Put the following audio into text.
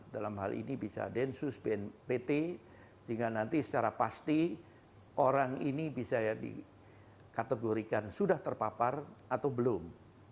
dalam hal ini bisa densus bnpt sehingga nanti secara pasti orang ini bisa dikategorikan sudah terpapar atau belum